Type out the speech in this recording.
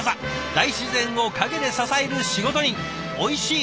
大自然を陰で支える仕事人おいしい